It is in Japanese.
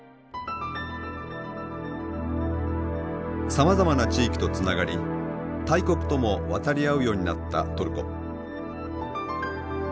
さまざまな地域とつながり大国とも渡り合うようになったトルコ。